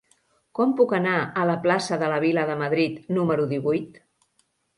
Com puc anar a la plaça de la Vila de Madrid número divuit?